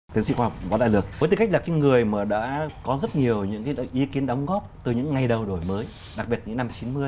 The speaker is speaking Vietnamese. tiến sĩ khoa học võ đại lược với tư cách là cái người mà đã có rất nhiều những ý kiến đóng góp từ những ngày đầu đổi mới đặc biệt những năm chín mươi